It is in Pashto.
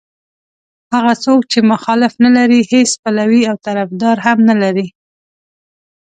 هغه څوک چې مخالف نه لري هېڅ پلوی او طرفدار هم نه لري.